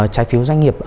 trái phiếu doanh nghiệp